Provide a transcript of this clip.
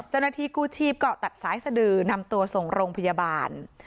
เจ้าหน้าที่กู้ชีพก็ตัดสายสดือนำตัวส่งโรงพยาบาล